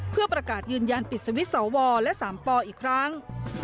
เพื่อประกาศยืนยันปิดสวิตช์สวและ๓ปอีกครั้ง